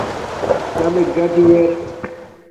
کمک گاٹی ار